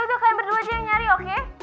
udah kalian berdua aja yang nyari oke